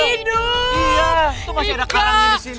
itu masih ada karangnya di sini